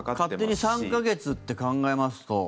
勝手に３か月って考えますと。